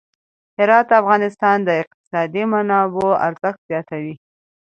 هرات د افغانستان د اقتصادي منابعو ارزښت زیاتوي.